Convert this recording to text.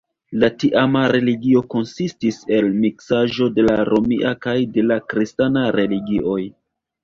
La tiama religio konsistis el miksaĵo de la romia kaj de la kristana religioj.